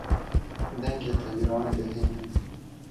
Dengê Teyran dihê min